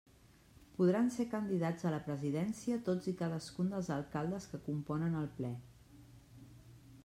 Podran ser candidats a la Presidència tots i cadascun dels alcaldes que componen el Ple.